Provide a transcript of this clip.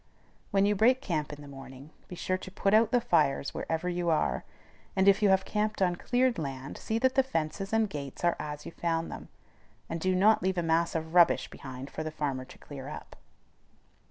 When you break camp in the morning, be sure to put out the fires wherever you are; and, if you have camped on cleared land, see that the fences and gates are as you found them, and do not leave a mass of rubbish behind for the farmer to clear up.